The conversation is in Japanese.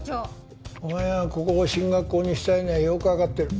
お前がここを進学校にしたいのはよくわかってる。